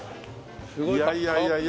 いやいやいやいや。